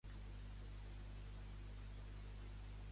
Va ser pretor l'any i va rebre Sicília com a província.